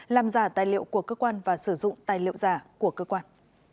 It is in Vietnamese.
làm giả tài liệu của cơ quan và sử dụng tài liệu giả của cơ quan